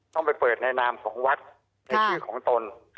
ต้องไปเปิดในนามของวัดในชื่อของตน